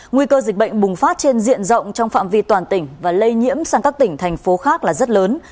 nguy cơ dịch bệnh bùng phát trên diện rộng trong phạm vi toàn tỉnh và lây nhiễm sang các tỉnh thành phố khác là rất lớn